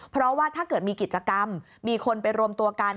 เพราะว่าถ้าเกิดมีกิจกรรมมีคนไปรวมตัวกัน